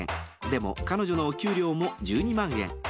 でも、彼女のお給料も１２万円。